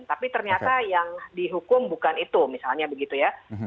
tapi ternyata yang dihukum bukan itu misalnya begitu ya